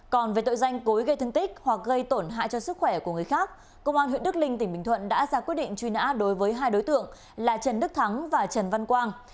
còn về tội danh cối gây thương tích hoặc gây tổn hại cho sức khỏe của người khác công an huyện đức linh tỉnh bình thuận đã ra quyết định truy nã đối với hai đối tượng là trần đức thắng và trần văn quang